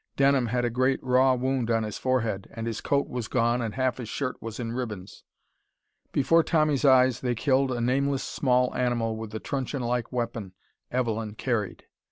Denham had a great raw wound upon his forehead, and his coat was gone and half his shirt was in ribbons. Before Tommy's eyes they killed a nameless small animal with the trunchionlike weapon Evelyn carried.